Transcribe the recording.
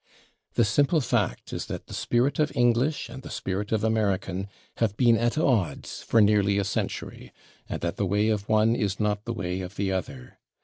The simple fact is that the spirit of English and the spirit of American have been at odds for nearly a century, and that the way of one is not the way of the other.